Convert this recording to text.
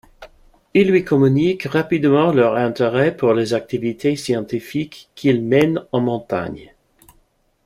Ils lui communiquent rapidement leur intérêt pour les activités scientifiques qu'ils mènent en montagne.